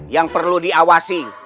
yang perlu diawasi